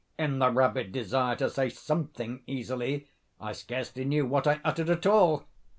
(In the rabid desire to say something easily, I scarcely knew what I uttered at all.)